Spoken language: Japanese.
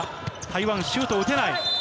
台湾シュートを打てない。